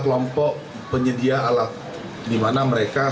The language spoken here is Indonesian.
kelompok ketiga adalah kelompok yang mengambil uang